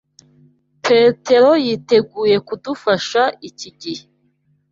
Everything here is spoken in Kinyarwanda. Petero yiteguye kudufasha iki gihe.